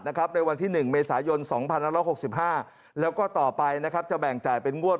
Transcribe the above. ในวันที่๑เมษายน๒๑๖๕แล้วก็ต่อไปจะแบ่งจ่ายเป็นงวด